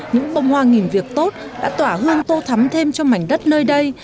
những bông hoa nghìn việc tốt đã tỏa hương tô thắm thêm cho mảnh đất nơi đây